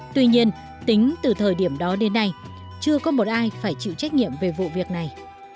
tuy nhiên tính từ thời điểm đó đến nay chưa có một ai phải chịu trách nhiệm về vụ việc này